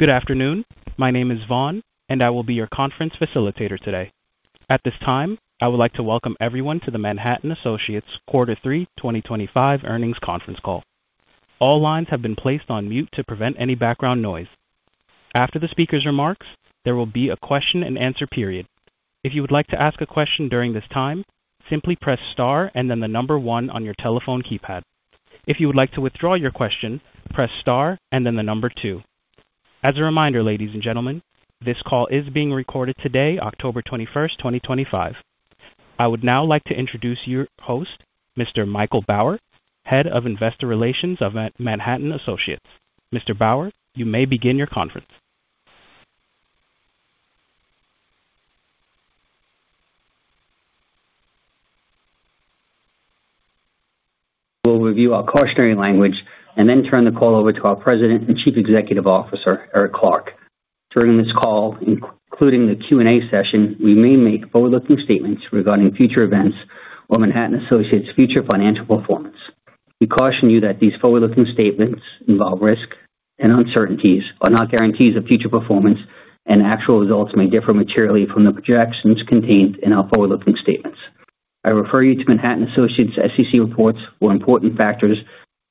Good afternoon. My name is Vaughn, and I will be your conference facilitator today. At this time, I would like to welcome everyone to the Manhattan Associates Quarter Three 2025 earnings conference call. All lines have been placed on mute to prevent any background noise. After the speaker's remarks, there will be a question and answer period. If you would like to ask a question during this time, simply press star and then the number one on your telephone keypad. If you would like to withdraw your question, press star and then the number two. As a reminder, ladies and gentlemen, this call is being recorded today, October 21, 2025. I would now like to introduce your host, Mr. Michael Bauer, Head of Investor Relations of Manhattan Associates. Mr. Bauer, you may begin your conference. We'll review our cautionary language and then turn the call over to our President and Chief Executive Officer, Eric Clark. During this call, including the Q&A session, we may make forward-looking statements regarding future events or Manhattan Associates' future financial performance. We caution you that these forward-looking statements involve risk and uncertainties, are not guarantees of future performance, and actual results may differ materially from the projections contained in our forward-looking statements. I refer you to Manhattan Associates' SEC reports for important factors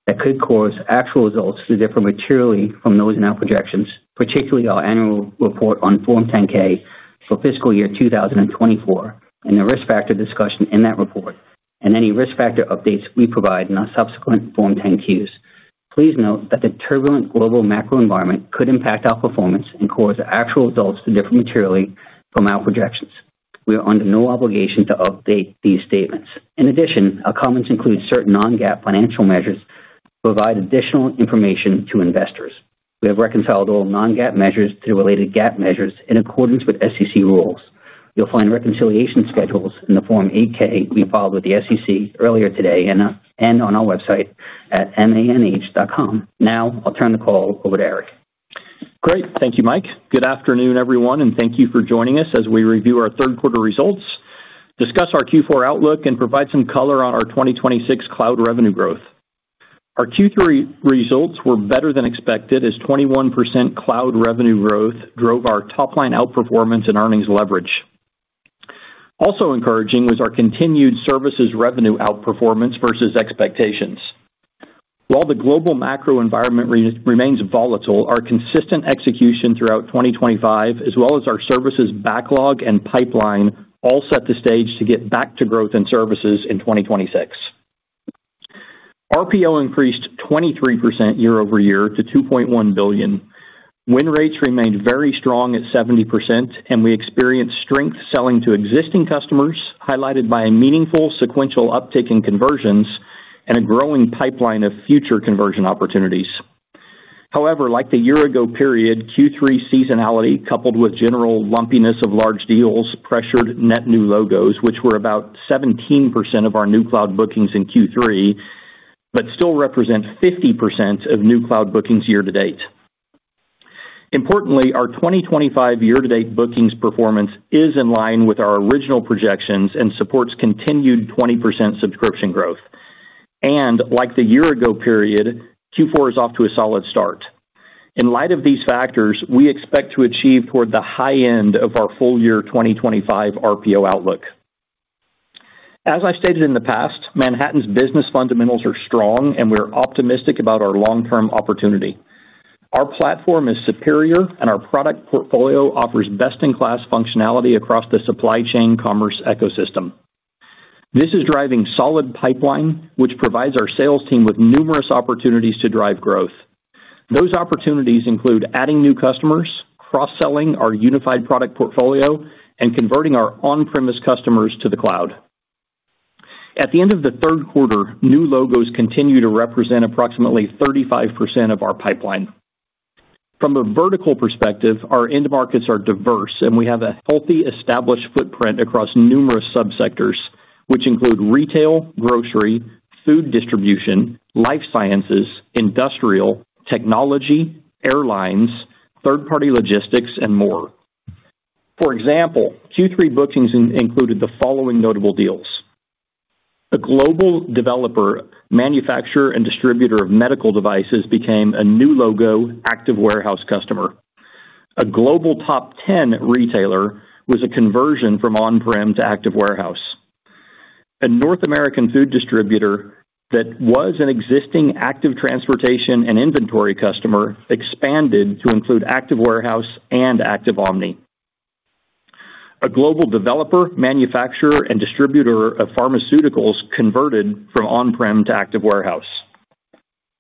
that could cause actual results to differ materially from those in our projections, particularly our annual report on Form 10-K for fiscal year 2024 and the risk factor discussion in that report and any risk factor updates we provide in our subsequent Form 10-Qs. Please note that the turbulent global macro environment could impact our performance and cause actual results to differ materially from our projections. We are under no obligation to update these statements. In addition, our comments include certain non-GAAP financial measures to provide additional information to investors. We have reconciled all non-GAAP measures to the related GAAP measures in accordance with SEC rules. You'll find reconciliation schedules in the Form 8-K we filed with the SEC earlier today and on our website at manh.com. Now, I'll turn the call over to Eric. Great, thank you, Mike. Good afternoon, everyone, and thank you for joining us as we review our third quarter results, discuss our Q4 outlook, and provide some color on our 2026 cloud revenue growth. Our Q3 results were better than expected, as 21% cloud revenue growth drove our top-line outperformance in earnings leverage. Also encouraging was our continued services revenue outperformance versus expectations. While the global macro-environment remains volatile, our consistent execution throughout 2025, as well as our services backlog and pipeline, all set the stage to get back to growth in services in 2026. RPO increased 23% year-over-year to $2.1 billion. Win rates remained very strong at 70%, and we experienced strength selling to existing customers, highlighted by a meaningful sequential uptick in conversions and a growing pipeline of future conversion opportunities. However, like the year-ago period, Q3 seasonality, coupled with general lumpiness of large deals, pressured net new logos, which were about 17% of our new cloud bookings in Q3, but still represent 50% of new cloud bookings year to date. Importantly, our 2025 year-to-date bookings performance is in line with our original projections and supports continued 20% subscription growth. Q4 is off to a solid start. In light of these factors, we expect to achieve toward the high end of our full-year 2025 RPO outlook. As I've stated in the past, Manhattan's business fundamentals are strong, and we are optimistic about our long-term opportunity. Our platform is superior, and our product portfolio offers best-in-class functionality across the supply chain commerce ecosystem. This is driving solid pipeline, which provides our sales team with numerous opportunities to drive growth. Those opportunities include adding new customers, cross-selling our unified product portfolio, and converting our on-premise customers to the cloud. At the end of the third quarter, new logos continue to represent approximately 35% of our pipeline. From a vertical perspective, our end markets are diverse, and we have a healthy established footprint across numerous subsectors, which include retail, grocery, food distribution, life sciences, industrial, technology, airlines, third-party logistics, and more. For example, Q3 bookings included the following notable deals. A global developer, manufacturer, and distributor of medical devices became a new logo active warehouse customer. A global top 10 retailer was a conversion from on-prem to Active Warehouse. A North American food distributor that was an existing Active Transportation and Inventory customer expanded to include Active Warehouse and Active Omni. A global developer, manufacturer, and distributor of pharmaceuticals converted from on-prem to Active Warehouse.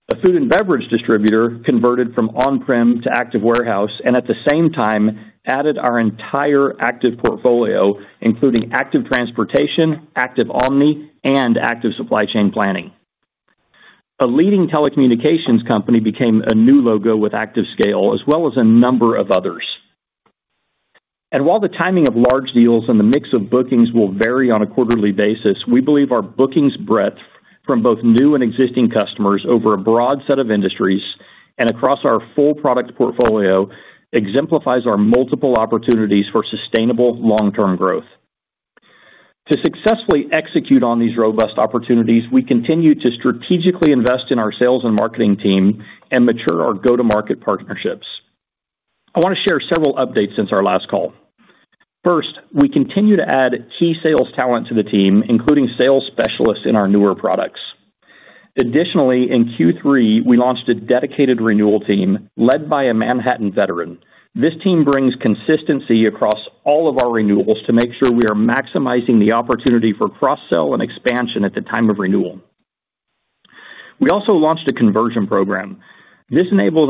A food and beverage distributor converted from on-prem to Active Warehouse and at the same time added our entire Active portfolio, including Active Transportation, Active Omni, and Active Supply Chain Planning. A leading telecommunications company became a new logo with Active Scale, as well as a number of others. While the timing of large deals and the mix of bookings will vary on a quarterly basis, we believe our bookings breadth from both new and existing customers over a broad set of industries and across our full product portfolio exemplifies our multiple opportunities for sustainable long-term growth. To successfully execute on these robust opportunities, we continue to strategically invest in our sales and marketing team and mature our go-to-market partnerships. I want to share several updates since our last call. First, we continue to add key sales talent to the team, including sales specialists in our newer products. Additionally, in Q3, we launched a dedicated renewal team led by a Manhattan veteran. This team brings consistency across all of our renewals to make sure we are maximizing the opportunity for cross-sell and expansion at the time of renewal. We also launched a conversion program. This enables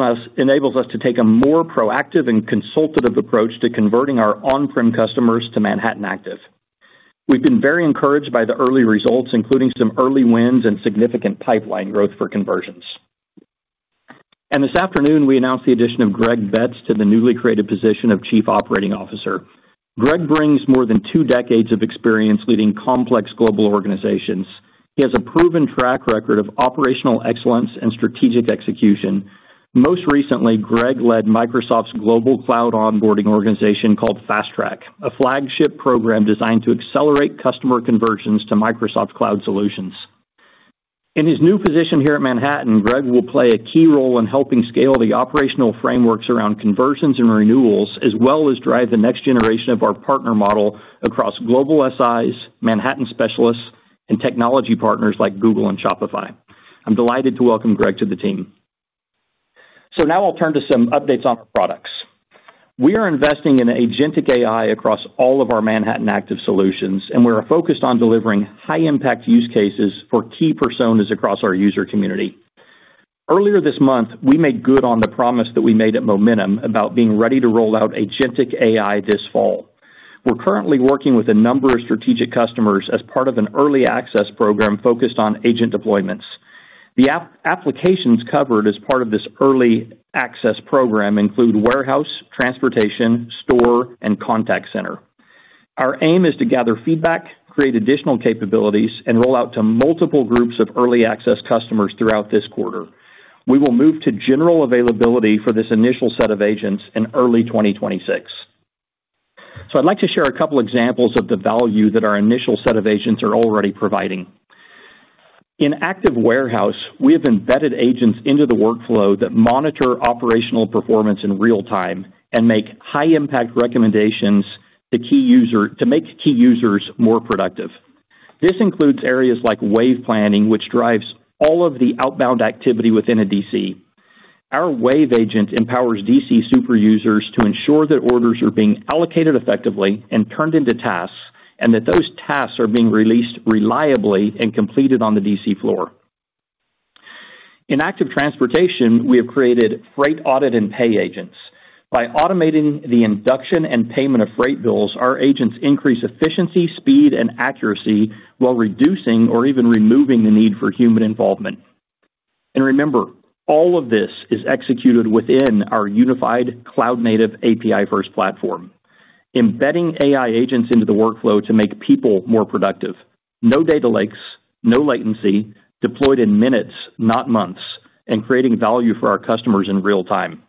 us to take a more proactive and consultative approach to converting our on-prem customers to Manhattan Active. We've been very encouraged by the early results, including some early wins and significant pipeline growth for conversions. This afternoon, we announced the addition of Greg Betts to the newly created position of Chief Operating Officer. Greg brings more than two decades of experience leading complex global organizations. He has a proven track record of operational excellence and strategic execution. Most recently, Greg led Microsoft's global cloud onboarding organization called FastTrack, a flagship program designed to accelerate customer conversions to Microsoft Cloud Solutions. In his new position here at Manhattan, Greg will play a key role in helping scale the operational frameworks around conversions and renewals, as well as drive the next generation of our partner model across global SIs, Manhattan specialists, and technology partners like Google and Shopify. I'm delighted to welcome Greg to the team. I'll turn to some updates on our products. We are investing in Agentic AI across all of our Manhattan Active Solutions, and we are focused on delivering high-impact use cases for key personas across our user community. Earlier this month, we made good on the promise that we made at Momentum about being ready to roll out Agentic AI this fall. We're currently working with a number of strategic customers as part of an early access program focused on agent deployments. The applications covered as part of this early access program include warehouse, transportation, store, and contact center. Our aim is to gather feedback, create additional capabilities, and roll out to multiple groups of early access customers throughout this quarter. We will move to general availability for this initial set of agents in early 2026. I'd like to share a couple of examples of the value that our initial set of agents are already providing. In Active Warehouse, we have embedded agents into the workflow that monitor operational performance in real time and make high-impact recommendations to make key users more productive. This includes areas like Wave Planning, which drives all of the outbound activity within a DC. Our Wave agent empowers DC super users to ensure that orders are being allocated effectively and turned into tasks, and that those tasks are being released reliably and completed on the DC floor. In Active Transportation, we have created Freight Audit and Pay agents. By automating the induction and payment of freight bills, our agents increase efficiency, speed, and accuracy while reducing or even removing the need for human involvement. All of this is executed within our unified cloud-native API-first platform, embedding AI agents into the workflow to make people more productive. No data lakes, no latency, deployed in minutes, not months, and creating value for our customers in real time.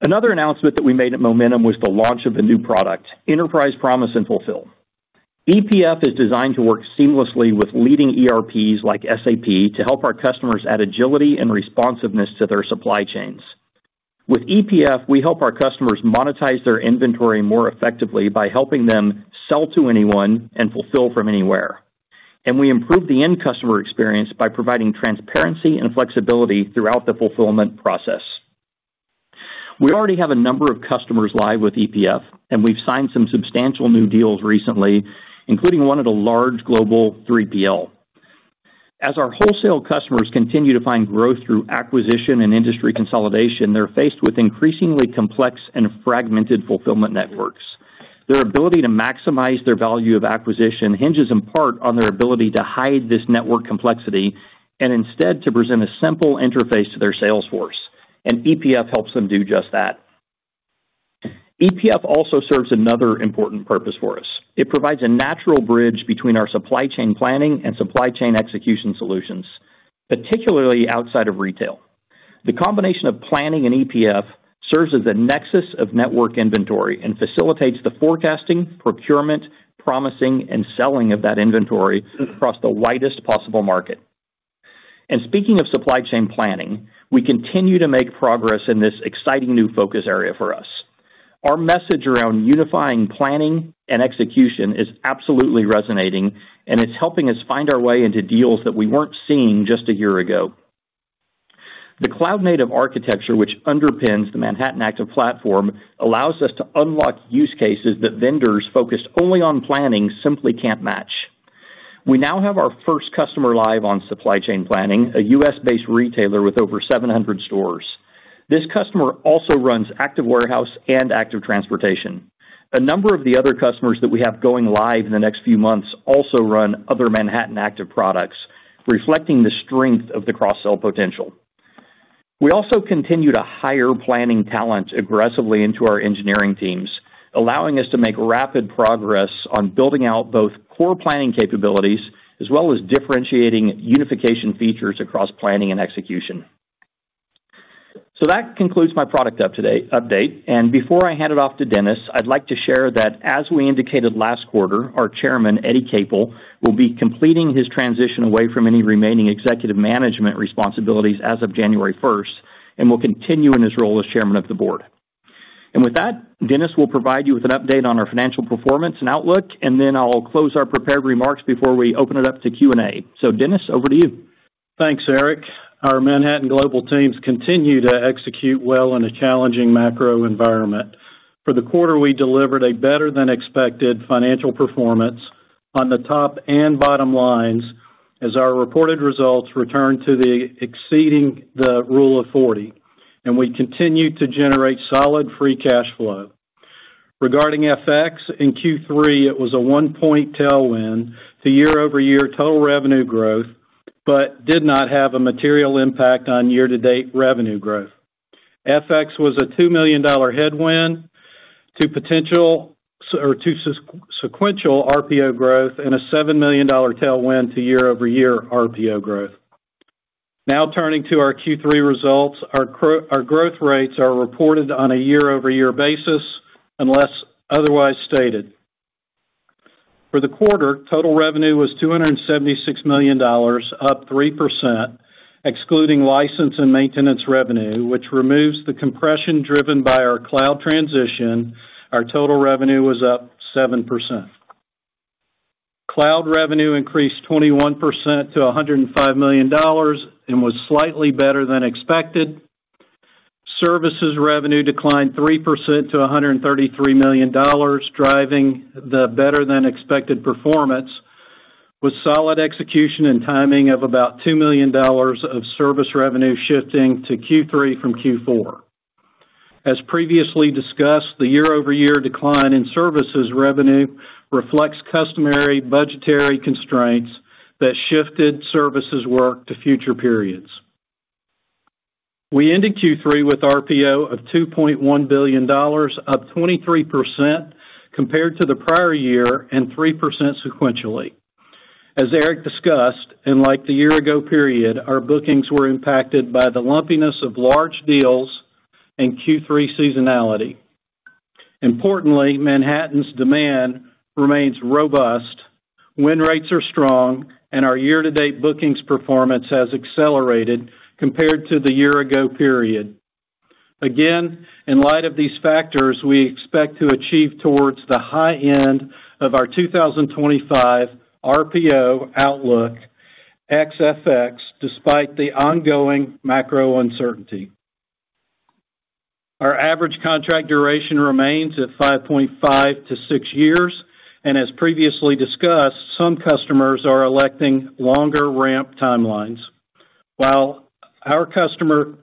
Another announcement that we made at Momentum was the launch of a new product, Enterprise Promise and Fulfill. EPF is designed to work seamlessly with leading ERPs like SAP to help our customers add agility and responsiveness to their supply chains. With EPF, we help our customers monetize their inventory more effectively by helping them sell to anyone and fulfill from anywhere. We improve the end customer experience by providing transparency and flexibility throughout the fulfillment process. We already have a number of customers live with EPF, and we've signed some substantial new deals recently, including one at a large global 3PL. As our wholesale customers continue to find growth through acquisition and industry consolidation, they're faced with increasingly complex and fragmented fulfillment networks. Their ability to maximize their value of acquisition hinges in part on their ability to hide this network complexity and instead to present a simple interface to their sales force. EPF helps them do just that. EPF also serves another important purpose for us. It provides a natural bridge between our supply chain planning and supply chain execution solutions, particularly outside of retail. The combination of planning and EPF serves as a nexus of network inventory and facilitates the forecasting, procurement, promising, and selling of that inventory across the widest possible market. Speaking of supply chain planning, we continue to make progress in this exciting new focus area for us. Our message around unifying planning and execution is absolutely resonating, and it's helping us find our way into deals that we weren't seeing just a year ago. The cloud-native architecture, which underpins the Manhattan Active platform, allows us to unlock use cases that vendors focused only on planning simply can't match. We now have our first customer live on supply chain planning, a U.S.-based retailer with over 700 stores. This customer also runs Active Warehouse and Active Transportation. A number of the other customers that we have going live in the next few months also run other Manhattan Active products, reflecting the strength of the cross-sell potential. We also continue to hire planning talent aggressively into our engineering teams, allowing us to make rapid progress on building out both core planning capabilities as well as differentiating unification features across planning and execution. That concludes my product update. Before I hand it off to Dennis, I'd like to share that as we indicated last quarter, our Chairman, Eddie Capel, will be completing his transition away from any remaining executive management responsibilities as of January 1 and will continue in his role as Chairman of the Board. Dennis will provide you with an update on our financial performance and outlook, and then I'll close our prepared remarks before we open it up to Q&A. Dennis, over to you. Thanks, Eric. Our Manhattan global teams continue to execute well in a challenging macro-environment. For the quarter, we delivered a better-than-expected financial performance on the top and bottom lines as our reported results returned to exceeding the rule of 40, and we continued to generate solid free cash flow. Regarding FX, in Q3, it was a one-point tailwind to year-over-year total revenue growth but did not have a material impact on year-to-date revenue growth. FX was a $2 million headwind to potential or to sequential RPO growth and a $7 million tailwind to year-over-year RPO growth. Now turning to our Q3 results, our growth rates are reported on a year-over-year basis unless otherwise stated. For the quarter, total revenue was $276 million, up 3%. Excluding license and maintenance revenue, which removes the compression driven by our cloud transition, our total revenue was up 7%. Cloud revenue increased 21% to $105 million and was slightly better than expected. Services revenue declined 3% to $133 million, driving the better-than-expected performance with solid execution and timing of about $2 million of service revenue shifting to Q3 from Q4. As previously discussed, the year-over-year decline in services revenue reflects customary budgetary constraints that shifted services work to future periods. We ended Q3 with RPO of $2.1 billion, up 23% compared to the prior year and 3% sequentially. As Eric discussed, and like the year-ago period, our bookings were impacted by the lumpiness of large deals and Q3 seasonality. Importantly, Manhattan's demand remains robust, win rates are strong, and our year-to-date bookings performance has accelerated compared to the year-ago period. Again, in light of these factors, we expect to achieve towards the high end of our 2025 RPO outlook XFX despite the ongoing macro-uncertainty. Our average contract duration remains at 5.5-6 years, and as previously discussed, some customers are electing longer ramp timelines. While our customer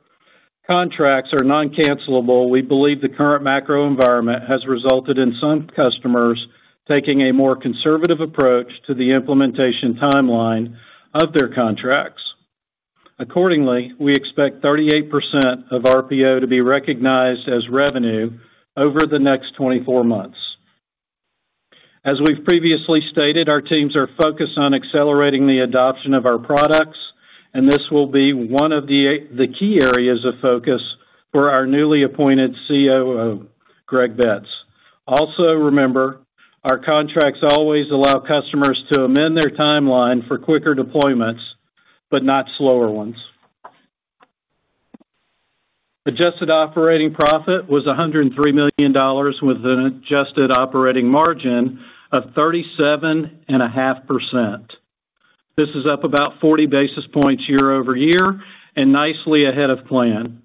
contracts are non-cancellable, we believe the current macro-environment has resulted in some customers taking a more conservative approach to the implementation timeline of their contracts. Accordingly, we expect 38% of RPO to be recognized as revenue over the next 24 months. As we've previously stated, our teams are focused on accelerating the adoption of our products, and this will be one of the key areas of focus for our newly appointed COO, Greg Betts. Also, remember, our contracts always allow customers to amend their timeline for quicker deployments but not slower ones. Adjusted operating profit was $103 million with an adjusted operating margin of 37.5%. This is up about 40 basis points year-over-year and nicely ahead of plan.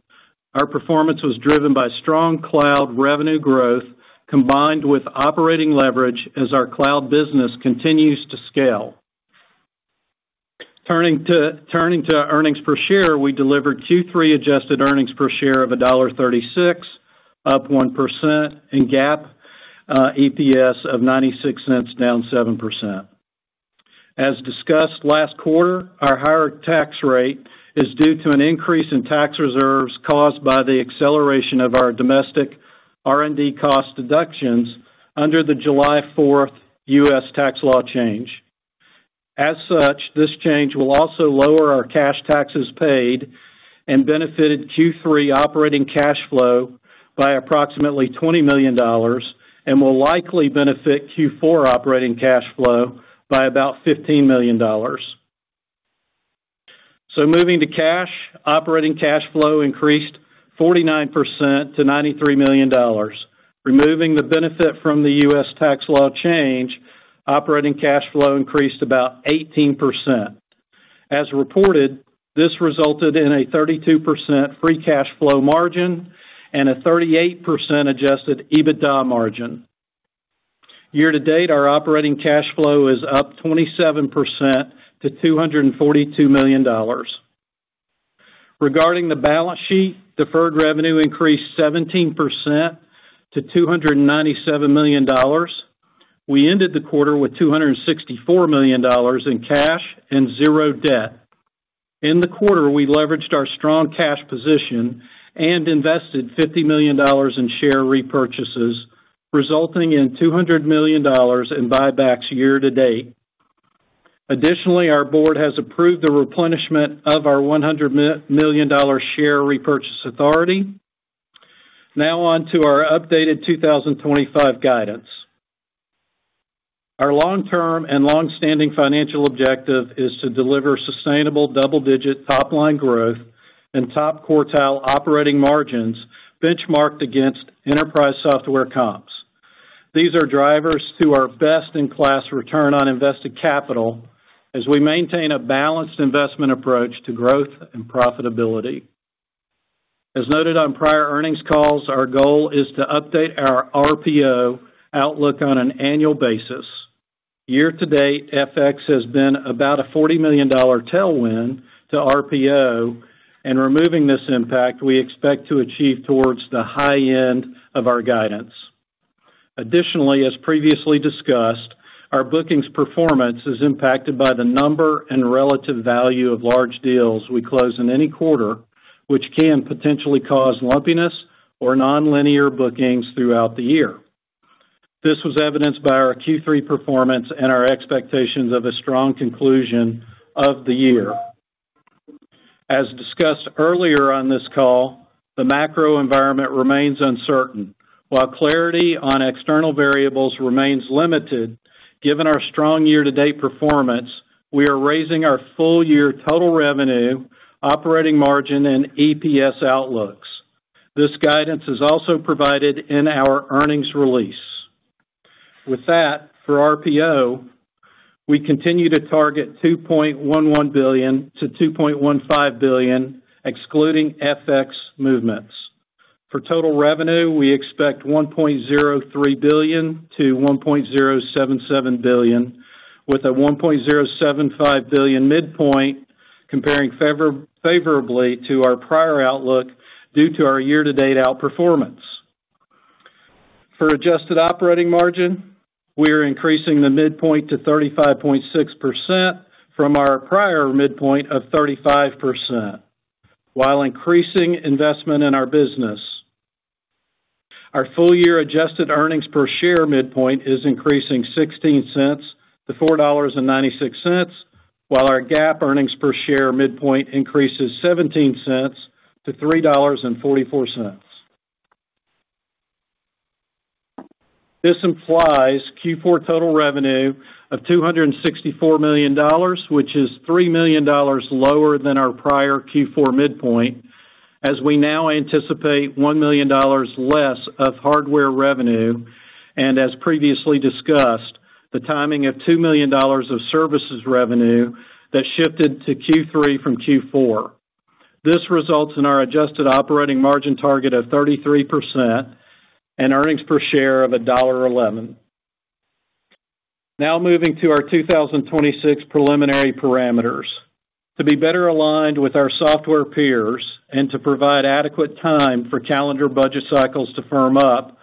Our performance was driven by strong cloud revenue growth combined with operating leverage as our cloud business continues to scale. Turning to earnings per share, we delivered Q3 adjusted earnings per share of $1.36, up 1%, and GAAP EPS of $0.96, down 7%. As discussed last quarter, our higher tax rate is due to an increase in tax reserves caused by the acceleration of our domestic R&D cost deductions under the July 4th U.S. tax law change. As such, this change will also lower our cash taxes paid and benefited Q3 operating cash flow by approximately $20 million and will likely benefit Q4 operating cash flow by about $15 million. Moving to cash, operating cash flow increased 49% to $93 million. Removing the benefit from the U.S. tax law change, operating cash flow increased about 18%. As reported, this resulted in a 32% free cash flow margin and a 38% adjusted EBITDA margin. Year to date, our operating cash flow is up 27% to $242 million. Regarding the balance sheet, deferred revenue increased 17% to $297 million. We ended the quarter with $264 million in cash and zero debt. In the quarter, we leveraged our strong cash position and invested $50 million in share repurchases, resulting in $200 million in buybacks year to date. Additionally, our board has approved the replenishment of our $100 million share repurchase authority. Now on to our updated 2025 guidance. Our long-term and longstanding financial objective is to deliver sustainable double-digit top-line growth and top quartile operating margins benchmarked against enterprise software comps. These are drivers to our best-in-class return on invested capital as we maintain a balanced investment approach to growth and profitability. As noted on prior earnings calls, our goal is to update our RPO outlook on an annual basis. Year to date, FX has been about a $40 million tailwind to RPO, and removing this impact, we expect to achieve towards the high end of our guidance. Additionally, as previously discussed, our bookings performance is impacted by the number and relative value of large deals we close in any quarter, which can potentially cause lumpiness or nonlinear bookings throughout the year. This was evidenced by our Q3 performance and our expectations of a strong conclusion of the year. As discussed earlier on this call, the macro-environment remains uncertain. While clarity on external variables remains limited, given our strong year-to-date performance, we are raising our full-year total revenue, operating margin, and EPS outlooks. This guidance is also provided in our earnings release. With that, for RPO, we continue to target $2.11 billion-$2.15 billion, excluding FX movements. For total revenue, we expect $1.03 billion-$1.077 billion, with a $1.075 billion midpoint, comparing favorably to our prior outlook due to our year-to-date outperformance. For adjusted operating margin, we are increasing the midpoint to 35.6% from our prior midpoint of 35%, while increasing investment in our business. Our full-year adjusted earnings per share midpoint is increasing $0.16-$4.96, while our GAAP earnings per share midpoint increases $0.17-$3.44. This implies Q4 total revenue of $264 million, which is $3 million lower than our prior Q4 midpoint, as we now anticipate $1 million less of hardware revenue, and as previously discussed, the timing of $2 million of services revenue that shifted to Q3 from Q4. This results in our adjusted operating margin target of 33% and earnings per share of $1.11. Now moving to our 2026 preliminary parameters. To be better aligned with our software peers and to provide adequate time for calendar budget cycles to firm up,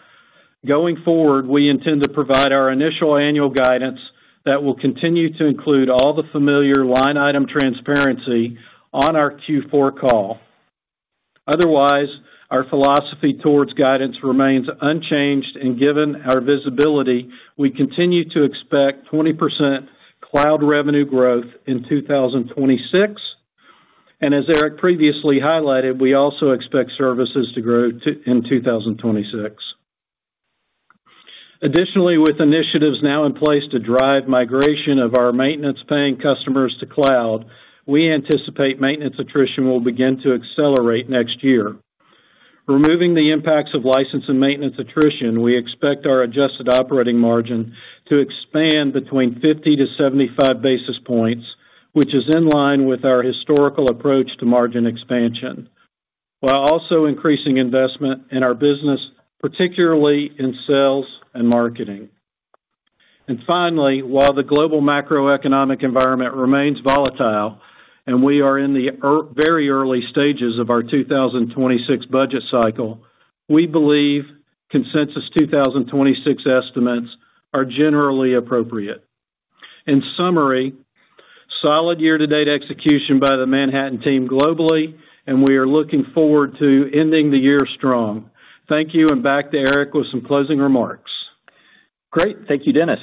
going forward, we intend to provide our initial annual guidance that will continue to include all the familiar line item transparency on our Q4 call. Otherwise, our philosophy towards guidance remains unchanged, and given our visibility, we continue to expect 20% cloud revenue growth in 2026. As Eric previously highlighted, we also expect services to grow in 2026. Additionally, with initiatives now in place to drive migration of our maintenance-paying customers to cloud, we anticipate maintenance attrition will begin to accelerate next year. Removing the impacts of license and maintenance attrition, we expect our adjusted operating margin to expand between 50-75 basis points, which is in line with our historical approach to margin expansion, while also increasing investment in our business, particularly in sales and marketing. Finally, while the global macroeconomic environment remains volatile and we are in the very early stages of our 2026 budget cycle, we believe consensus 2026 estimates are generally appropriate. In summary, solid year-to-date execution by the Manhattan team globally, and we are looking forward to ending the year strong. Thank you, and back to Eric with some closing remarks. Great. Thank you, Dennis.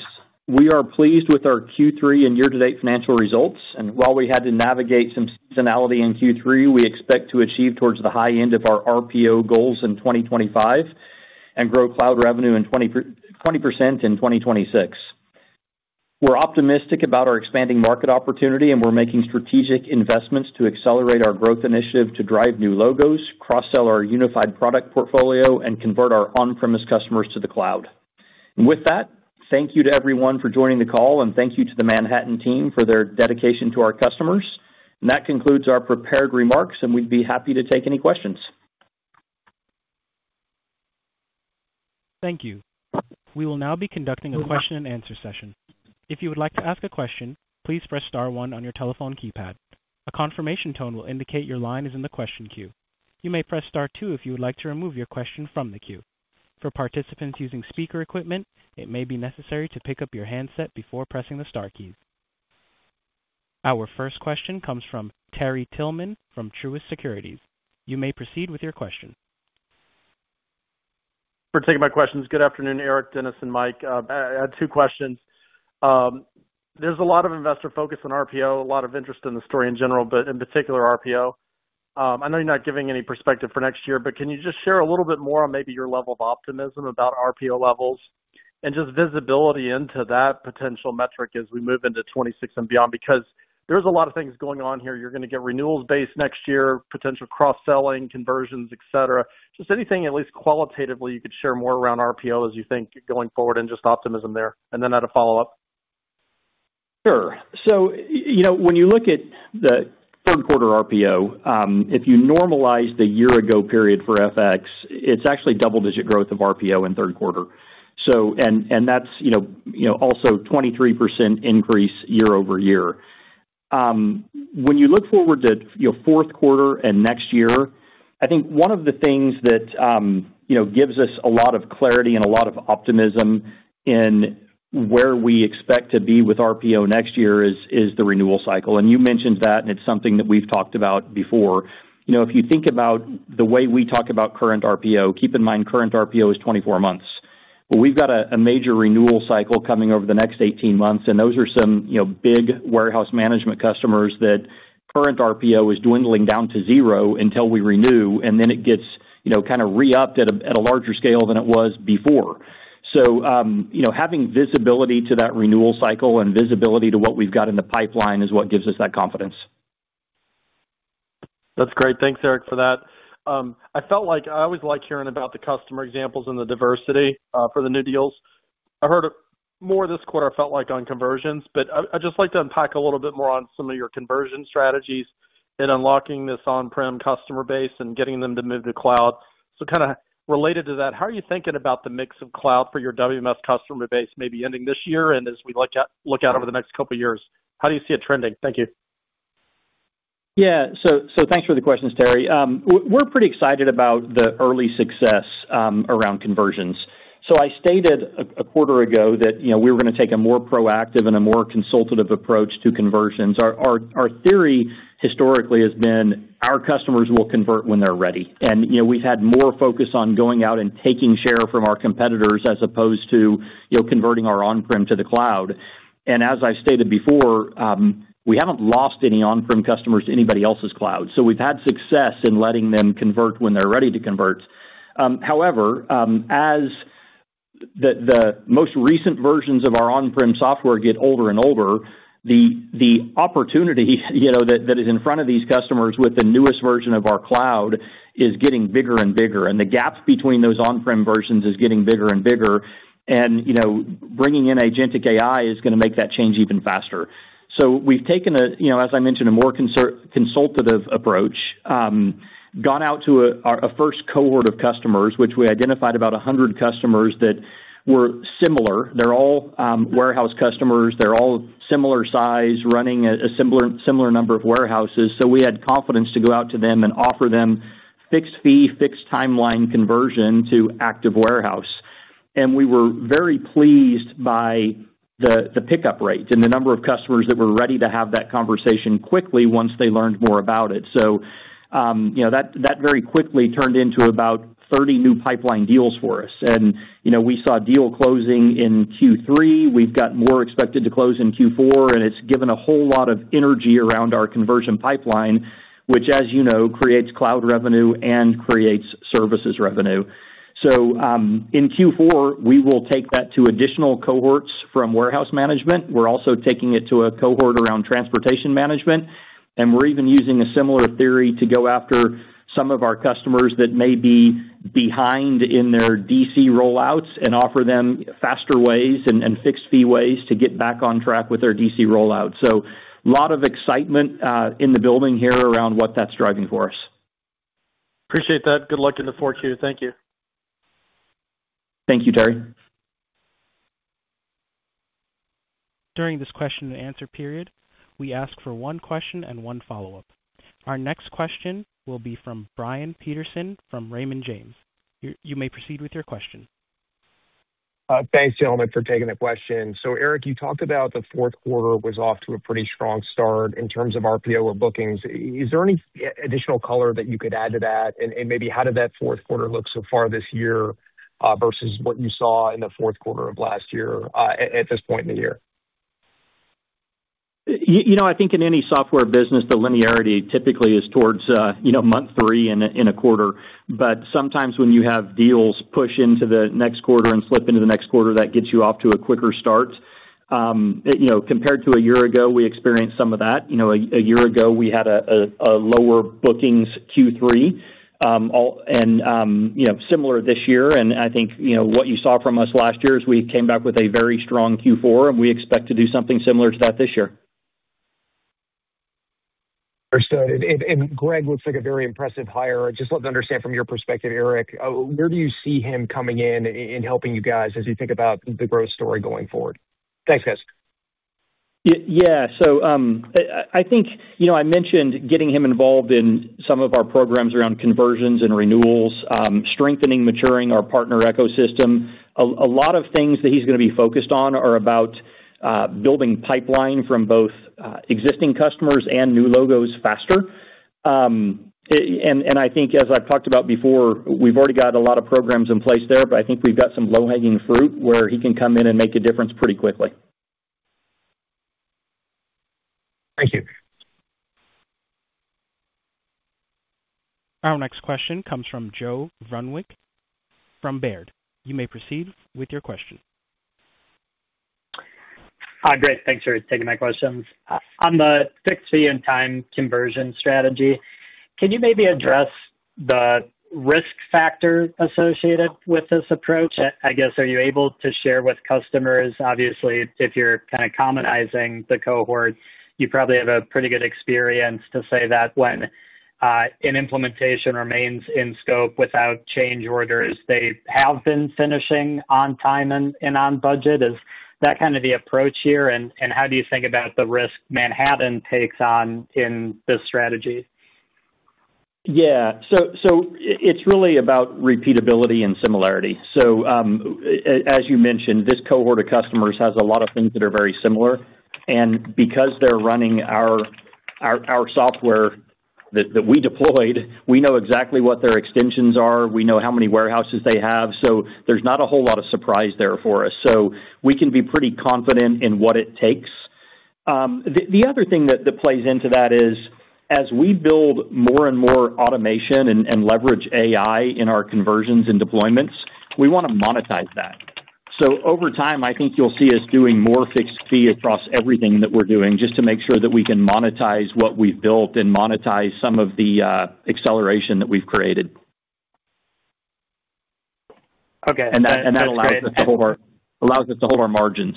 We are pleased with our Q3 and year-to-date financial results. While we had to navigate some seasonality in Q3, we expect to achieve towards the high end of our RPO goals in 2025 and grow cloud revenue 20% in 2026. We're optimistic about our expanding market opportunity, and we're making strategic investments to accelerate our growth initiative to drive new logos, cross-sell our unified product portfolio, and convert our on-premise customers to the cloud. Thank you to everyone for joining the call, and thank you to the Manhattan team for their dedication to our customers. That concludes our prepared remarks, and we'd be happy to take any questions. Thank you. We will now be conducting a question and answer session. If you would like to ask a question, please press star one on your telephone keypad. A confirmation tone will indicate your line is in the question queue. You may press star two if you would like to remove your question from the queue. For participants using speaker equipment, it may be necessary to pick up your handset before pressing the star key. Our first question comes from Terry Tillman from Truist Securities. You may proceed with your question. for taking my questions. Good afternoon, Eric, Dennis, and Mike. I had two questions. There's a lot of investor focus on RPO, a lot of interest in the story in general, but in particular RPO. I know you're not giving any perspective for next year, but can you just share a little bit more on maybe your level of optimism about RPO levels and just visibility into that potential metric as we move into 2026 and beyond? There's a lot of things going on here. You're going to get renewals based next year, potential cross-selling, conversions, et cetera. Just anything at least qualitatively you could share more around RPO as you think going forward and just optimism there, and then I had a follow-up? Sure. When you look at the third quarter RPO, if you normalize the year-ago period for FX, it's actually double-digit growth of RPO in third quarter, and that's also a 23% increase year-over-year. When you look forward to fourth quarter and next year, I think one of the things that gives us a lot of clarity and a lot of optimism in where we expect to be with RPO next year is the renewal cycle. You mentioned that, and it's something that we've talked about before. If you think about the way we talk about current RPO, keep in mind current RPO is 24 months. We've got a major renewal cycle coming over the next 18 months, and those are some big warehouse management customers that current RPO is dwindling down to zero until we renew, and then it gets kind of re-upped at a larger scale than it was before. Having visibility to that renewal cycle and visibility to what we've got in the pipeline is what gives us that confidence. That's great. Thanks, Eric, for that. I felt like I always like hearing about the customer examples and the diversity for the new deals. I heard more this quarter, I felt like, on conversions, but I'd just like to unpack a little bit more on some of your conversion strategies in unlocking this on-premise customer base and getting them to move to cloud. Kind of related to that, how are you thinking about the mix of cloud for your WMS customer base, maybe ending this year and as we look out over the next couple of years? How do you see it trending? Thank you. Yeah. Thanks for the questions, Terry. We're pretty excited about the early success around conversions. I stated a quarter ago that we were going to take a more proactive and a more consultative approach to conversions. Our theory historically has been our customers will convert when they're ready. We've had more focus on going out and taking share from our competitors as opposed to converting our on-prem to the cloud. As I've stated before, we haven't lost any on-prem customers to anybody else's cloud. We've had success in letting them convert when they're ready to convert. However, as the most recent versions of our on-prem software get older and older, the opportunity that is in front of these customers with the newest version of our cloud is getting bigger and bigger. The gap between those on-prem versions is getting bigger and bigger. Bringing in Agentic AI is going to make that change even faster. We've taken, as I mentioned, a more consultative approach, gone out to a first cohort of customers, which we identified about 100 customers that were similar. They're all warehouse customers. They're all similar size, running a similar number of warehouses. We had confidence to go out to them and offer them fixed-fee, fixed-timeline conversion to active warehouse. We were very pleased by the pickup rate and the number of customers that were ready to have that conversation quickly once they learned more about it. That very quickly turned into about 30 new pipeline deals for us. We saw deal closing in Q3. We've got more expected to close in Q4, and it's given a whole lot of energy around our conversion pipeline, which, as you know, creates cloud revenue and creates services revenue. In Q4, we will take that to additional cohorts from warehouse management. We're also taking it to a cohort around transportation management. We're even using a similar theory to go after some of our customers that may be behind in their DC rollouts and offer them faster ways and fixed-fee ways to get back on track with their DC rollout. A lot of excitement in the building here around what that's driving for us. Appreciate that. Good luck in the fourth quarter. Thank you. Thank you, Terry. During this question and answer period, we ask for one question and one follow-up. Our next question will be from Brian Peterson from Raymond James. You may proceed with your question. Thanks, gentlemen, for taking the question. Eric, you talked about the fourth quarter was off to a pretty strong start in terms of RPO or bookings. Is there any additional color that you could add to that? Maybe how did that fourth quarter look so far this year versus what you saw in the fourth quarter of last year at this point in the year? I think in any software business, the linearity typically is towards month three in a quarter. Sometimes when you have deals push into the next quarter and slip into the next quarter, that gets you off to a quicker start. Compared to a year ago, we experienced some of that. A year ago, we had a lower bookings Q3, similar this year. I think what you saw from us last year is we came back with a very strong Q4, and we expect to do something similar to that this year. Understood. Greg looks like a very impressive hire. I just wanted to understand from your perspective, Eric, where do you see him coming in and helping you guys as you think about the growth story going forward? Thanks, guys. I think you know I mentioned getting him involved in some of our programs around conversions and renewals, strengthening, maturing our partner ecosystem. A lot of things that he's going to be focused on are about building pipeline from both existing customers and new logos faster. I think, as I've talked about before, we've already got a lot of programs in place there, but I think we've got some low-hanging fruit where he can come in and make a difference pretty quickly. Thank you. Our next question comes from Joe Vruwink from Baird. You may proceed with your question. Hi, great. Thanks, Eric, taking my questions. On the fixed-fee and time conversion strategy, can you maybe address the risk factor associated with this approach? I guess, are you able to share with customers? Obviously, if you're kind of commonizing the cohort, you probably have a pretty good experience to say that when an implementation remains in scope without change orders, they have been finishing on time and on budget. Is that kind of the approach here? How do you think about the risk Manhattan takes on in this strategy? It's really about repeatability and similarity. As you mentioned, this cohort of customers has a lot of things that are very similar. Because they're running our software that we deployed, we know exactly what their extensions are. We know how many warehouses they have. There's not a whole lot of surprise there for us, so we can be pretty confident in what it takes. The other thing that plays into that is, as we build more and more automation and leverage AI in our conversions and deployments, we want to monetize that. Over time, I think you'll see us doing more fixed fee across everything that we're doing just to make sure that we can monetize what we've built and monetize some of the acceleration that we've created. Okay. That allows us to hold our margins.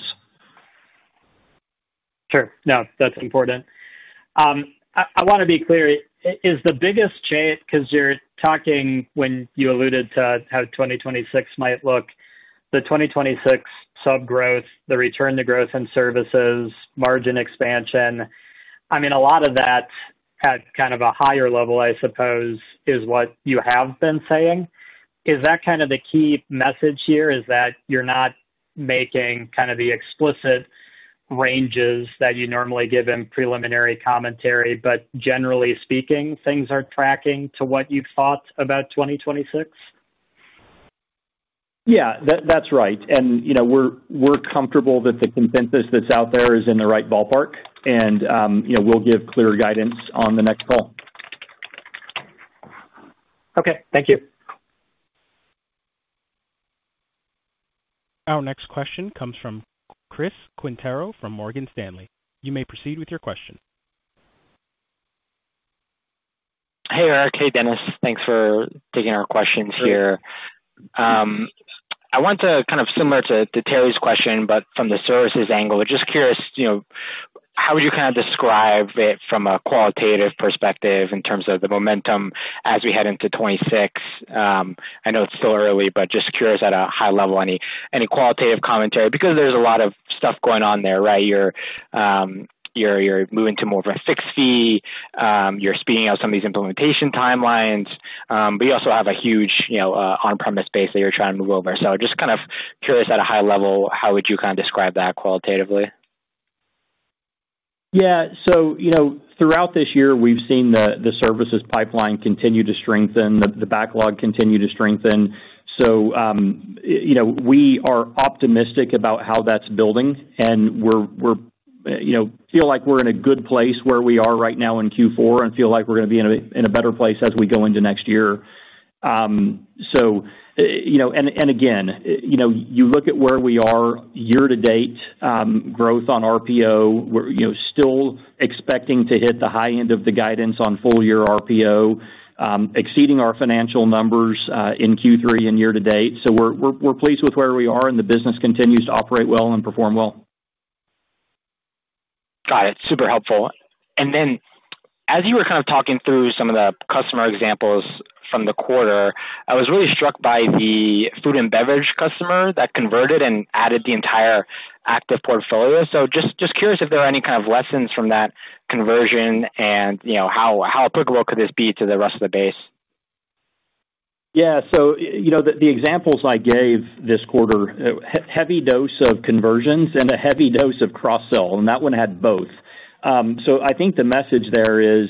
Sure. No, that's important. I want to be clear. Is the biggest chance because you're talking when you alluded to how 2026 might look, the 2026 subgrowth, the return to growth in services, margin expansion, a lot of that at kind of a higher level, I suppose, is what you have been saying. Is that kind of the key message here? Is that you're not making kind of the explicit ranges that you normally give in preliminary commentary, but generally speaking, things are tracking to what you've thought about 2026? Yeah, that's right. We're comfortable that the consensus that's out there is in the right ballpark, and we'll give clear guidance on the next call. Okay, thank you. Our next question comes from Chris Quintero from Morgan Stanley. You may proceed with your question. Hey, Eric. Hey, Dennis. Thanks for taking our questions here. I want to, kind of similar to Terry's question, but from the services angle, we're just curious, you know, how would you kind of describe it from a qualitative perspective in terms of the momentum as we head into 2026? I know it's still early, but just curious at a high level, any qualitative commentary? There's a lot of stuff going on there, right? You're moving to more of a fixed fee. You're speeding up some of these implementation timelines. You also have a huge on-premise base that you're trying to move over. Just kind of curious at a high level, how would you kind of describe that qualitatively? Yeah. Throughout this year, we've seen the services pipeline continue to strengthen, the backlog continue to strengthen. We are optimistic about how that's building, and we feel like we're in a good place where we are right now in Q4 and feel like we're going to be in a better place as we go into next year. Again, you look at where we are year-to-date growth on RPO. We're still expecting to hit the high end of the guidance on full-year RPO, exceeding our financial numbers in Q3 and year to date. We're pleased with where we are, and the business continues to operate well and perform well. Got it. Super helpful. As you were kind of talking through some of the customer examples from the quarter, I was really struck by the food and beverage customer that converted and added the entire Active portfolio. Just curious if there are any kind of lessons from that conversion and how applicable could this be to the rest of the base? Yeah. The examples I gave this quarter, a heavy dose of conversions and a heavy dose of cross-sell, and that one had both. I think the message there is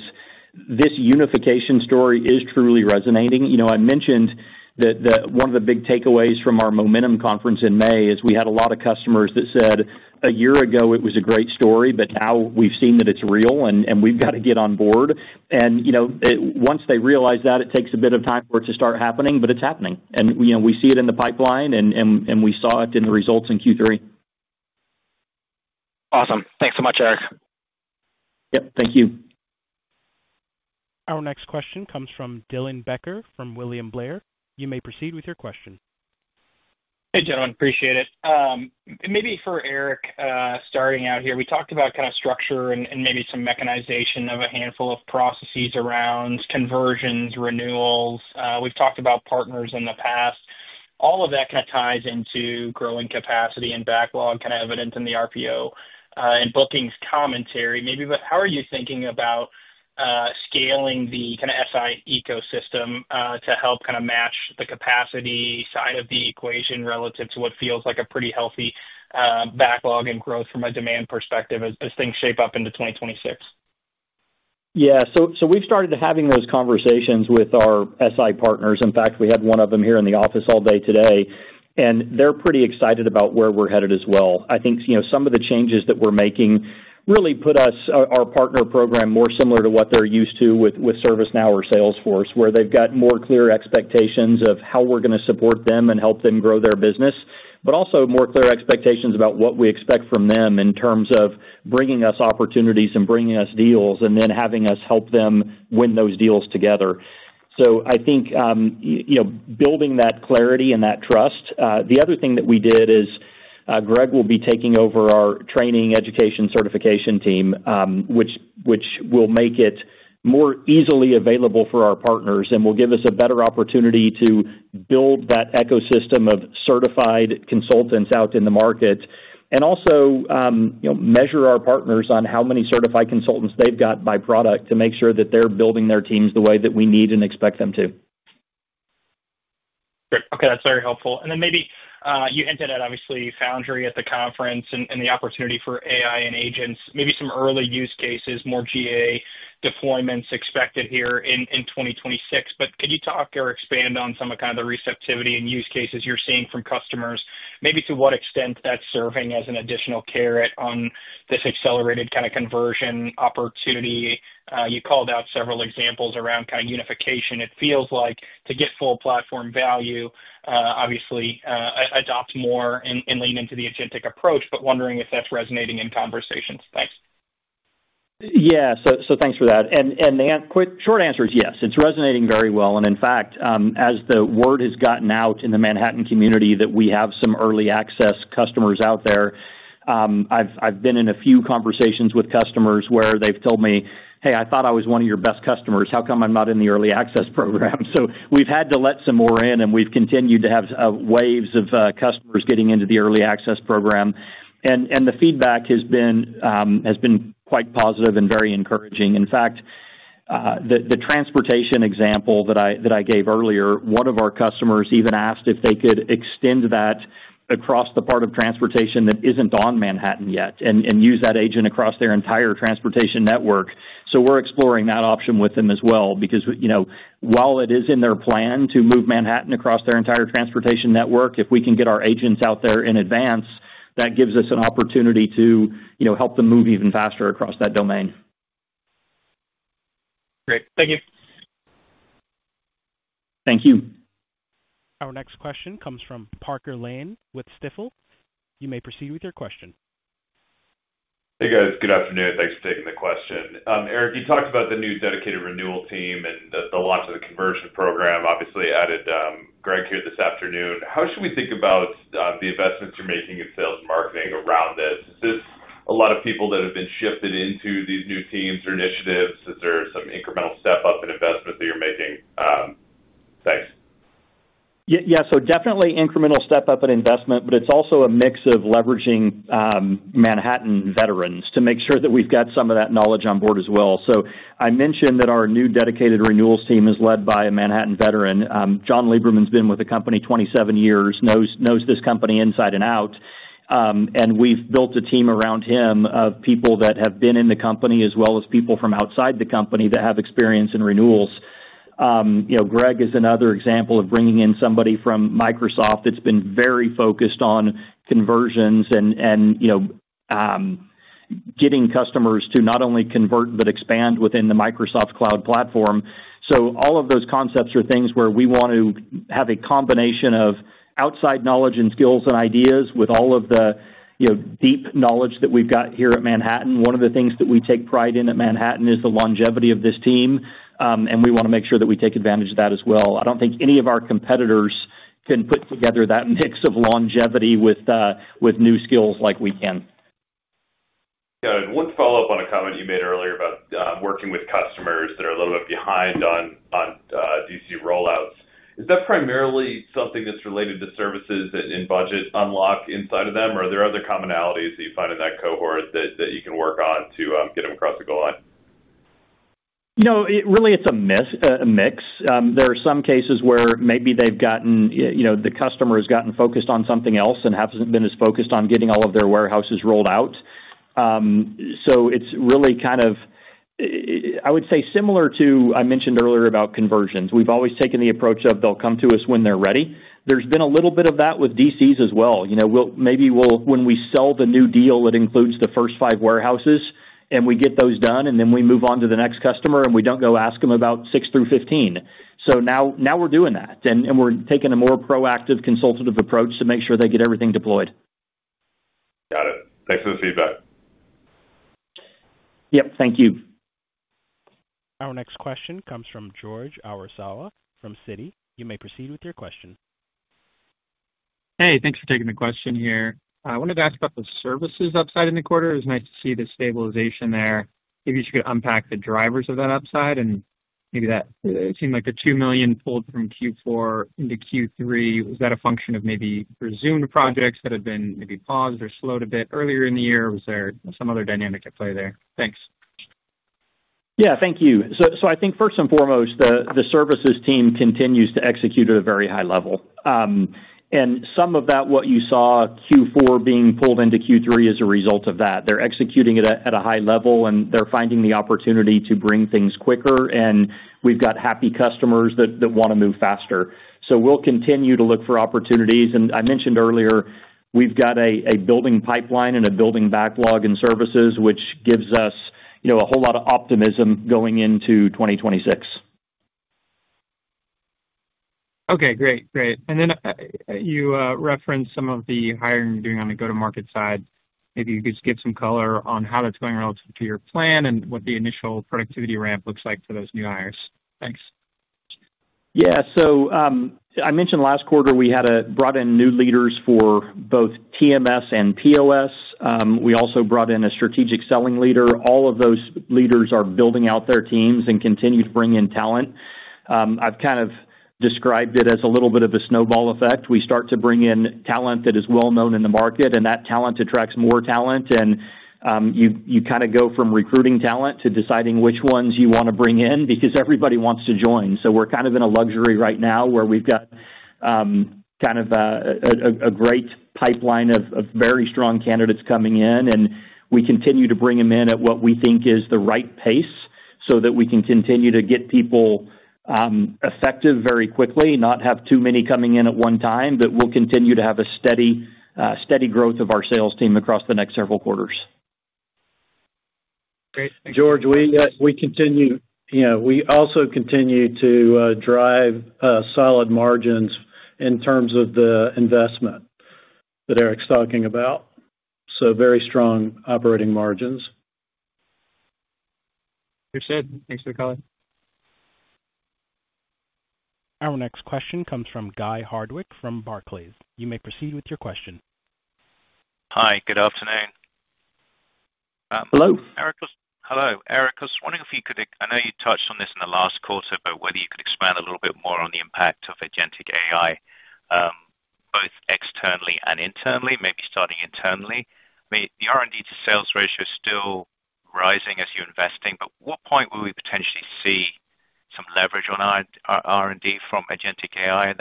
this unification story is truly resonating. I mentioned that one of the big takeaways from our Momentum conference in May is we had a lot of customers that said a year ago it was a great story, but now we've seen that it's real and we've got to get on board. Once they realize that, it takes a bit of time for it to start happening, but it's happening. We see it in the pipeline and we saw it in the results in Q3. Awesome. Thanks so much, Eric. Thank you. Our next question comes from Dylan Becker from William Blair. You may proceed with your question. Hey, gentlemen. Appreciate it. Maybe for Eric, starting out here, we talked about kind of structure and maybe some mechanization of a handful of processes around conversions, renewals. We've talked about partners in the past. All of that kind of ties into growing capacity and backlog, kind of evident in the RPO and bookings commentary. How are you thinking about scaling the kind of SI ecosystem to help kind of match the capacity side of the equation relative to what feels like a pretty healthy backlog and growth from a demand perspective as things shape up into 2026? Yeah. We've started having those conversations with our SI partners. In fact, we had one of them here in the office all day today, and they're pretty excited about where we're headed as well. I think you know some of the changes that we're making really put our partner program more similar to what they're used to with ServiceNow or Salesforce, where they've got more clear expectations of how we're going to support them and help them grow their business, but also more clear expectations about what we expect from them in terms of bringing us opportunities and bringing us deals and then having us help them win those deals together. I think you know building that clarity and that trust. The other thing that we did is Greg will be taking over our training, education, certification team, which will make it more easily available for our partners and will give us a better opportunity to build that ecosystem of certified consultants out in the market and also you know measure our partners on how many certified consultants they've got by product to make sure that they're building their teams the way that we need and expect them to. Okay. That's very helpful. Maybe you hinted at, obviously, Foundry at the conference and the opportunity for AI and agents, maybe some early use cases, more GA deployments expected here in 2026. Could you talk or expand on some of kind of the receptivity and use cases you're seeing from customers, maybe to what extent that's serving as an additional carrot on this accelerated kind of conversion opportunity? You called out several examples around kind of unification. It feels like to get full platform value, obviously, adopt more and lean into the agentic approach, but wondering if that's resonating in conversations. Thanks. Thank you for that. The short answer is yes. It's resonating very well. In fact, as the word has gotten out in the Manhattan community that we have some early access customers out there, I've been in a few conversations with customers where they've told me, "Hey, I thought I was one of your best customers. How come I'm not in the early access program?" We've had to let some more in, and we've continued to have waves of customers getting into the early access program. The feedback has been quite positive and very encouraging. In fact, the transportation example that I gave earlier, one of our customers even asked if they could extend that across the part of transportation that isn't on Manhattan yet and use that agent across their entire transportation network. We're exploring that option with them as well because while it is in their plan to move Manhattan across their entire transportation network, if we can get our agents out there in advance, that gives us an opportunity to help them move even faster across that domain. Great. Thank you. Thank you. Our next question comes from Parker Lane with Stifel. You may proceed with your question. Hey, guys. Good afternoon. Thanks for taking the question. Eric, you talked about the new dedicated renewal team and the launch of the conversion program. Obviously, added Greg here this afternoon. How should we think about the investments you're making in sales and marketing around this? Is this a lot of people that have been shifted into these new teams or initiatives? Is there some incremental step-up in investment that you're making? Thanks. Yeah. Definitely incremental step-up in investment, but it's also a mix of leveraging Manhattan veterans to make sure that we've got some of that knowledge on board as well. I mentioned that our new dedicated renewals team is led by a Manhattan veteran. John Lieberman's been with the company 27 years, knows this company inside and out. We've built a team around him of people that have been in the company as well as people from outside the company that have experience in renewals. Greg is another example of bringing in somebody from Microsoft that's been very focused on conversions and getting customers to not only convert but expand within the Microsoft Cloud Platform. All of those concepts are things where we want to have a combination of outside knowledge and skills and ideas with all of the deep knowledge that we've got here at Manhattan. One of the things that we take pride in at Manhattan is the longevity of this team, and we want to make sure that we take advantage of that as well. I don't think any of our competitors can put together that mix of longevity with new skills like we can. Got it. One follow-up on a comment you made earlier about working with customers that are a little bit behind on DC rollouts. Is that primarily something that's related to services in budget unlock inside of them, or are there other commonalities that you find in that cohort that you can work on to get them across the goal line? No, really, it's a mix. There are some cases where maybe they've gotten, you know, the customer has gotten focused on something else and hasn't been as focused on getting all of their warehouses rolled out. It's really kind of, I would say, similar to I mentioned earlier about conversions. We've always taken the approach of they'll come to us when they're ready. There's been a little bit of that with DCs as well. Maybe when we sell the new deal, it includes the first five warehouses, and we get those done, and then we move on to the next customer, and we don't go ask them about 6 through 15. Now we're doing that, and we're taking a more proactive, consultative approach to make sure they get everything deployed. Got it. Thanks for the feedback. Thank you. Our next question comes from George Kurosawa from Citi. You may proceed with your question. Hey, thanks for taking the question here. I wanted to ask about the services upside in the quarter. It was nice to see the stabilization there. Maybe you could unpack the drivers of that upside and maybe that it seemed like the $2 million pulled from Q4 into Q3. Was that a function of maybe resumed projects that had been maybe paused or slowed a bit earlier in the year? Was there some other dynamic at play there? Thanks. Thank you. I think first and foremost, the services team continues to execute at a very high level. Some of what you saw in Q4 being pulled into Q3 is a result of that. They're executing at a high level, and they're finding the opportunity to bring things quicker. We've got happy customers that want to move faster. We will continue to look for opportunities. I mentioned earlier, we've got a building pipeline and a building backlog in services, which gives us a whole lot of optimism going into 2026. Great. You referenced some of the hiring you're doing on the go-to-market side. Maybe you could just give some color on how that's going relative to your plan and what the initial productivity ramp looks like for those new hires. Thanks. Yeah. I mentioned last quarter we had brought in new leaders for both TMS and POS. We also brought in a strategic selling leader. All of those leaders are building out their teams and continue to bring in talent. I've described it as a little bit of a snowball effect. We start to bring in talent that is well-known in the market, and that talent attracts more talent. You kind of go from recruiting talent to deciding which ones you want to bring in because everybody wants to join. We're in a luxury right now where we've got a great pipeline of very strong candidates coming in. We continue to bring them in at what we think is the right pace so that we can continue to get people effective very quickly, not have too many coming in at one time, but we'll continue to have a steady growth of our sales team across the next several quarters. Great. Thanks. George, we continue, you know, we also continue to drive solid margins in terms of the investment that Eric's talking about. Very strong operating margins. Understood. Thanks for the color. Our next question comes from Guy Hardwick from Barclays. You may proceed with your question. Hi, good afternoon. Hello. Eric, hello. Eric, I was wondering if you could, I know you touched on this in the last quarter, expand a little bit more on the impact of Agentic AI, both externally and internally, maybe starting internally. I mean, the R&D to sales ratio is still rising as you're investing, at what point will we potentially see some leverage on our R&D from Agentic AI?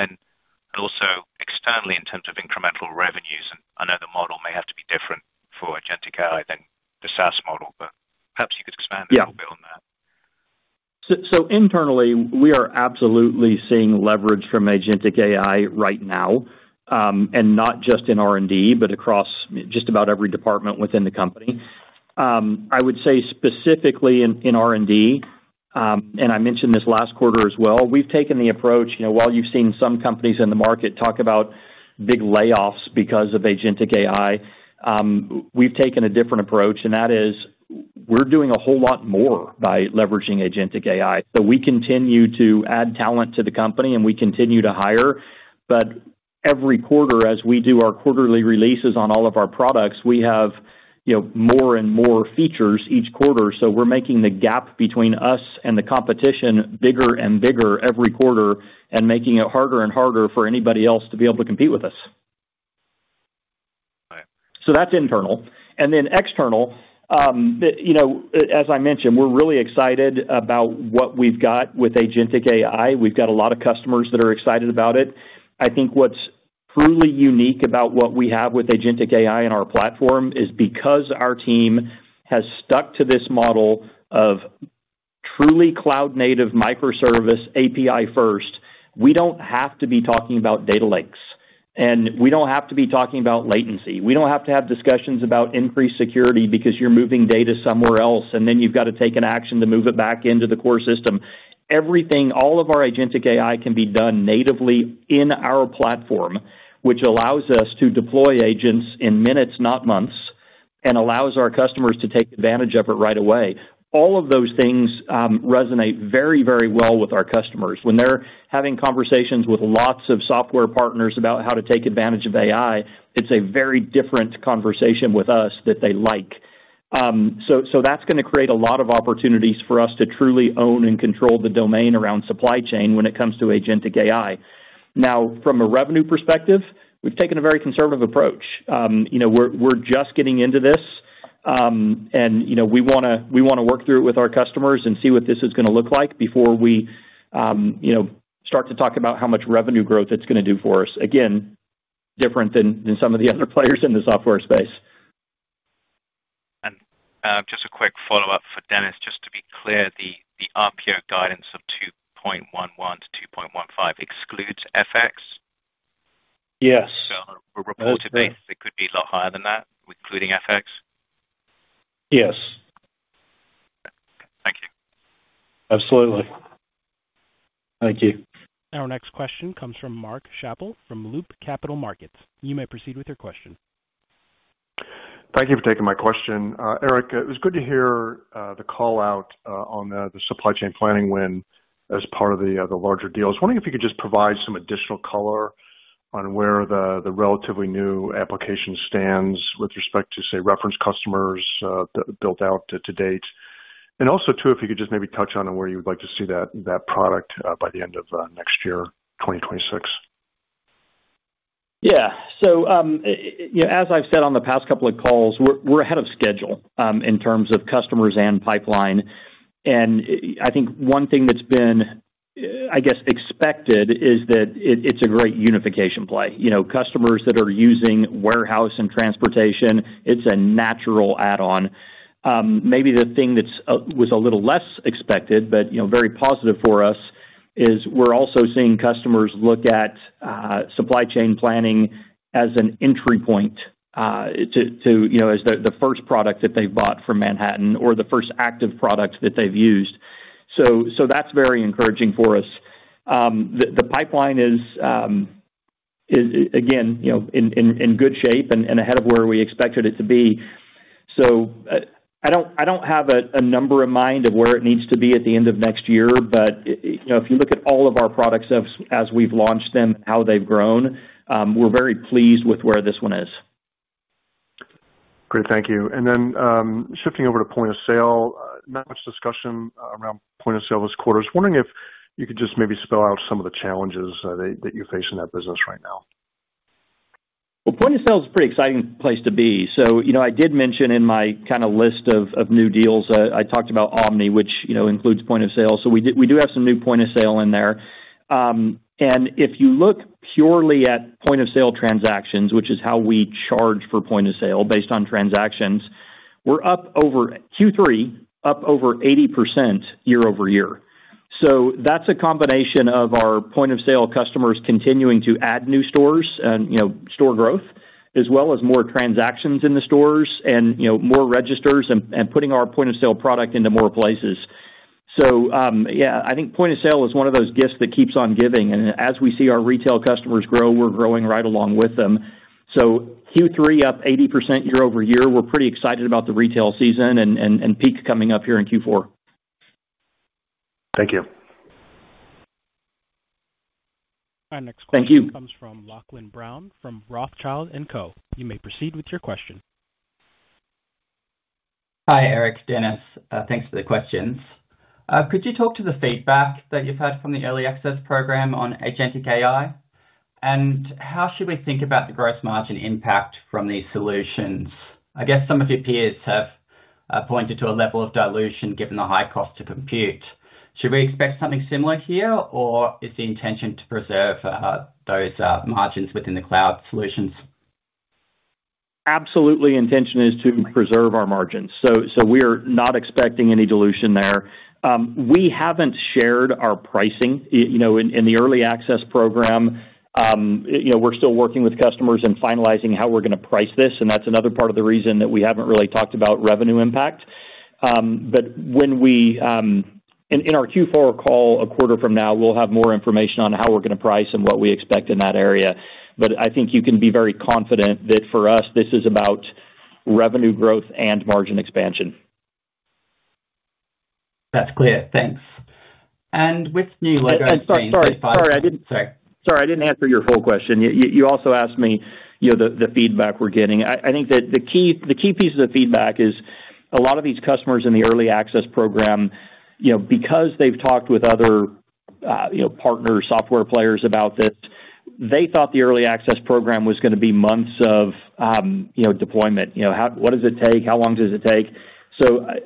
Also externally in terms of incremental revenues, I know the model may have to be different for Agentic AI than the SaaS model, perhaps you could expand a little bit on that. Yeah. Internally, we are absolutely seeing leverage from Agentic AI right now, and not just in R&D, but across just about every department within the company. I would say specifically in R&D, and I mentioned this last quarter as well, we've taken the approach, you know, while you've seen some companies in the market talk about big layoffs because of Agentic AI, we've taken a different approach, and that is we're doing a whole lot more by leveraging Agentic AI. We continue to add talent to the company, and we continue to hire. Every quarter, as we do our quarterly releases on all of our products, we have more and more features each quarter. We're making the gap between us and the competition bigger and bigger every quarter and making it harder and harder for anybody else to be able to compete with us. Got it. That's internal. Externally, as I mentioned, we're really excited about what we've got with Agentic AI. We've got a lot of customers that are excited about it. I think what's truly unique about what we have with Agentic AI in our platform is because our team has stuck to this model of truly cloud-native microservice API first, we don't have to be talking about data lakes. We don't have to be talking about latency. We don't have to have discussions about increased security because you're moving data somewhere else, and then you've got to take an action to move it back into the core system. Everything, all of our Agentic AI, can be done natively in our platform, which allows us to deploy agents in minutes, not months, and allows our customers to take advantage of it right away. All of those things resonate very, very well with our customers. When they're having conversations with lots of software partners about how to take advantage of AI, it's a very different conversation with us that they like. That is going to create a lot of opportunities for us to truly own and control the domain around supply chain when it comes to Agentic AI. Now, from a revenue perspective, we've taken a very conservative approach. We're just getting into this, and we want to work through it with our customers and see what this is going to look like before we start to talk about how much revenue growth it's going to do for us. Again, different than some of the other players in the software space. Just a quick follow-up for Dennis, just to be clear, the RPO guidance of $2.11 billion to $2.15 billion excludes FX? Yes. On a reported basis, it could be a lot higher than that, including FX? Yes. Thank you. Absolutely. Thank you. Our next question comes from Mark Schappel from Loop Capital Markets. You may proceed with your question. Thank you for taking my question. Eric, it was good to hear the call out on the supply chain planning win as part of the larger deal. I was wondering if you could just provide some additional color on where the relatively new application stands with respect to, say, reference customers built out to date. Also, if you could just maybe touch on where you would like to see that product by the end of next year, 2026. Yeah. As I've said on the past couple of calls, we're ahead of schedule in terms of customers and pipeline. I think one thing that's been, I guess, expected is that it's a great unification play. Customers that are using warehouse and transportation, it's a natural add-on. Maybe the thing that was a little less expected, but very positive for us, is we're also seeing customers look at supply chain planning as an entry point, as the first product that they've bought from Manhattan or the first active product that they've used. That's very encouraging for us. The pipeline is, again, in good shape and ahead of where we expected it to be. I don't have a number in mind of where it needs to be at the end of next year, but if you look at all of our products as we've launched them and how they've grown, we're very pleased with where this one is. Great. Thank you. Shifting over to point of sale, not much discussion around point of sale this quarter. I was wondering if you could just maybe spell out some of the challenges that you face in that business right now? Point of sale is a pretty exciting place to be. I did mention in my kind of list of new deals, I talked about Omni, which includes point of sale. We do have some new point of sale in there. If you look purely at point of sale transactions, which is how we charge for point of sale based on transactions, we're up over Q3, up over 80% year-over-year. That's a combination of our point of sale customers continuing to add new stores and store growth, as well as more transactions in the stores, more registers, and putting our point of sale product into more places. I think point of sale is one of those gifts that keeps on giving. As we see our retail customers grow, we're growing right along with them. Q3 up 80% year-over-year, we're pretty excited about the retail season and peak coming up here in Q4. Thank you. Thank you. Our next question comes from Lachlan Brown from Rothschild & Co. You may proceed with your question. Hi, Eric, Dennis. Thanks for the questions. Could you talk to the feedback that you've had from the early access program on Agentic AI? How should we think about the gross margin impact from these solutions? I guess some of your peers have pointed to a level of dilution given the high cost to compute. Should we expect something similar here, or is the intention to preserve those margins within the cloud solutions? Absolutely, the intention is to preserve our margins. We are not expecting any dilution there. We haven't shared our pricing. In the early access program, we're still working with customers and finalizing how we're going to price this. That's another part of the reason that we haven't really talked about revenue impact. In our Q4 call a quarter from now, we'll have more information on how we're going to price and what we expect in that area. I think you can be very confident that for us, this is about revenue growth and margin expansion. That's clear. Thanks. With new legal space, I'm sorry. Sorry, I didn't answer your full question. You also asked me, you know, the feedback we're getting. I think that the key piece of the feedback is a lot of these customers in the early access program, you know, because they've talked with other, you know, partners, software players about this, they thought the early access program was going to be months of deployment. You know, what does it take? How long does it take?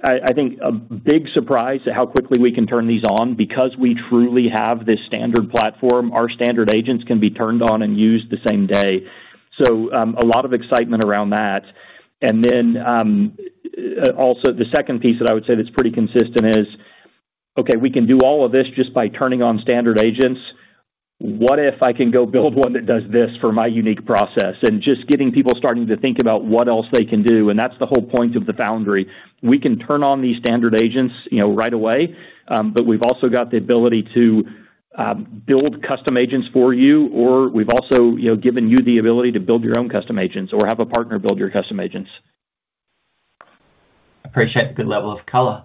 I think a big surprise at how quickly we can turn these on because we truly have this standard platform. Our standard agents can be turned on and used the same day. A lot of excitement around that. The second piece that I would say that's pretty consistent is, okay, we can do all of this just by turning on standard agents. What if I can go build one that does this for my unique process? Just getting people starting to think about what else they can do. That's the whole point of the Foundry. We can turn on these standard agents right away. We've also got the ability to build custom agents for you, or we've also given you the ability to build your own custom agents or have a partner build your custom agents. Appreciate the good level of color.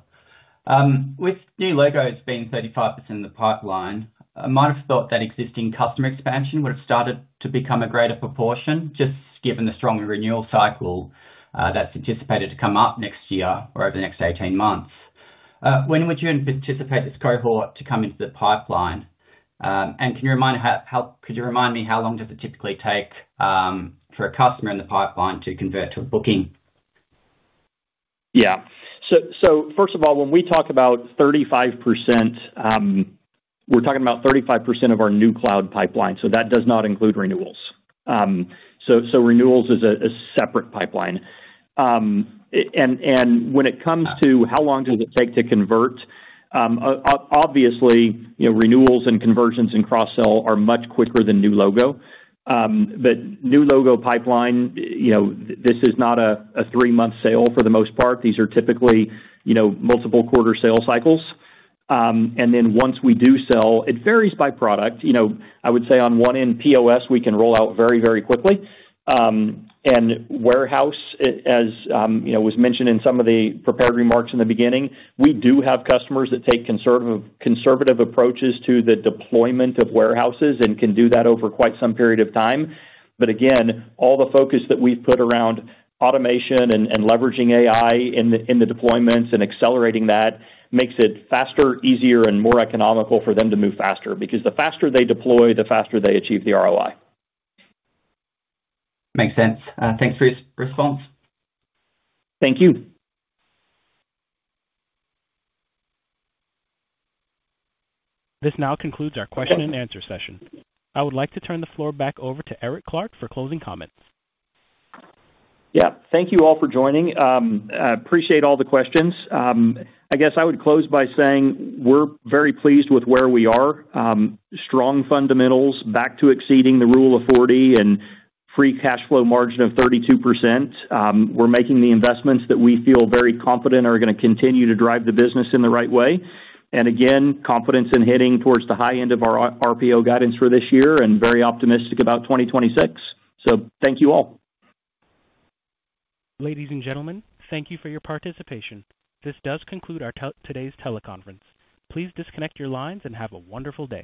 With new logos being 35% in the pipeline, I might have thought that existing customer expansion would have started to become a greater proportion, just given the strong renewal cycle that's anticipated to come up next year or over the next 18 months. When would you anticipate this cohort to come into the pipeline? Can you remind me, how long does it typically take for a customer in the pipeline to convert to a booking? Yeah. First of all, when we talk about 35%, we're talking about 35% of our new cloud pipeline. That does not include renewals. Renewals is a separate pipeline. When it comes to how long it takes to convert, obviously, renewals and conversions and cross-sell are much quicker than new logo. New logo pipeline, this is not a three-month sale for the most part. These are typically multiple quarter sale cycles. Once we do sell, it varies by product. I would say on one end, POS, we can roll out very, very quickly. Warehouse, as was mentioned in some of the prepared remarks in the beginning, we do have customers that take conservative approaches to the deployment of warehouses and can do that over quite some period of time. All the focus that we've put around automation and leveraging AI in the deployments and accelerating that makes it faster, easier, and more economical for them to move faster because the faster they deploy, the faster they achieve the ROI. Makes sense. Thanks for your response. Thank you. This now concludes our question and answer session. I would like to turn the floor back over to Eric Clark for closing comments. Thank you all for joining. I appreciate all the questions. I guess I would close by saying we're very pleased with where we are. Strong fundamentals, back to exceeding the rule of 40, and free cash flow margin of 32%. We're making the investments that we feel very confident are going to continue to drive the business in the right way. Again, confidence in hitting towards the high end of our RPO guidance for this year and very optimistic about 2026. Thank you all. Ladies and gentlemen, thank you for your participation. This does conclude our today's teleconference. Please disconnect your lines and have a wonderful day.